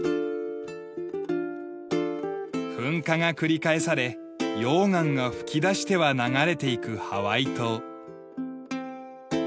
噴火が繰り返され溶岩が噴き出しては流れていくハワイ島。